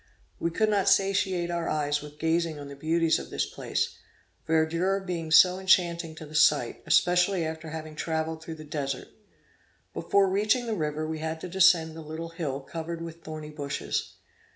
We could not satiate our eyes with gazing on the beauties of this place, verdure being so enchanting to the sight, especially after having travelled through the Desert. Before reaching the river we had to descend a little hill covered with thorny bushes.